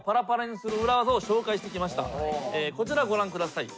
こちらご覧ください。